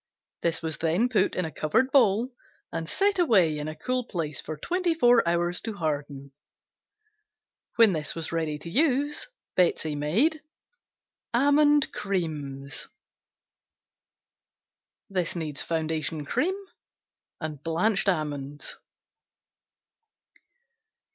This was then put in a covered bowl and set away in a cool place for twenty four hours to harden. When this was ready to use Betsey made Almond Creams Foundation cream. Blanched almonds.